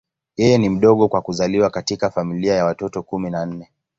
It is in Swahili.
Yeye ni mdogo kwa kuzaliwa katika familia ya watoto kumi na nne.